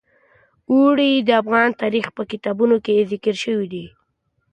اوړي د افغان تاریخ په کتابونو کې ذکر شوی دي.